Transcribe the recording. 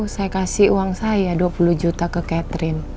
saya kasih uang saya dua puluh juta ke catherine